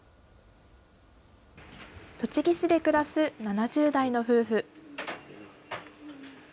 栃木市で暮らす７０代の夫婦。